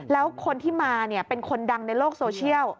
แล้วคนที่มาเป็นคนดังในโลกโซเชียล